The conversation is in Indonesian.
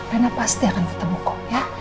rena pasti akan ketemu ku ya